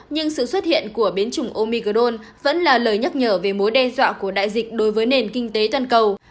nhưng sự xuất hiện của biến chủng omi gold vẫn là lời nhắc nhở về mối đe dọa của đại dịch đối với nền kinh tế toàn cầu